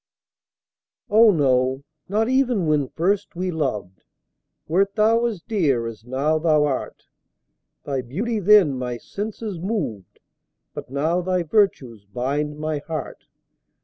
Oh, no not even when first we loved, Wert thou as dear as now thou art; Thy beauty then my senses moved, But now thy virtues bind my heart.